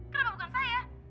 kenapa bukan saya